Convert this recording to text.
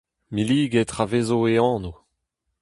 Milliget ra vezo e anv !